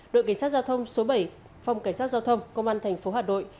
đội cảnh sát giao thông số bảy phòng cảnh sát giao thông công an thành phố hà nội